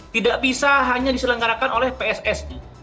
tidak bisa hanya diselenggarakan oleh pssi